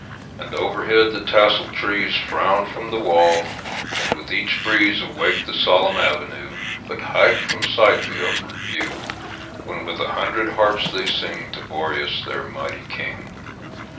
And overhead the tasseled trees Frown from the wall, and with each breeze Awake the solemn avenue, But hide from sight the upward view, When with a hundred harps they sing To Boreas their mighty king.